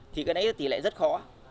thì cái đấy thì lại rất khó